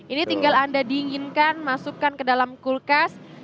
ini tinggal anda dinginkan masukkan ke dalam kulkas